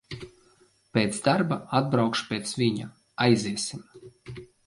Pēc darba atbraukšu pēc viņa, aiziesim.